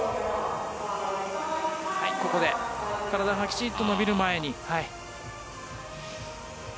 ここで体がきちっと伸びる前に。